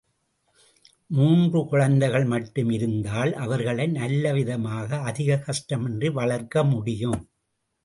மூன்று குழந்தைகள் மட்டும் இருந்தால் அவர்களை நல்லவிதமாக அதிகக் கஷ்டமின்றி வளர்க்க முடியும்.